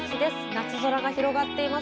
夏空が広がっています。